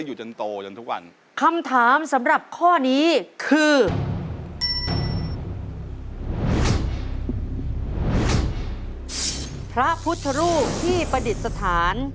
มันต้องมีของกินเยอะไว้วัด